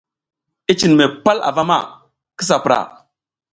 I cin mi pal avama, kisa pura.